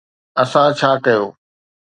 اسان ڇا ڪيو؟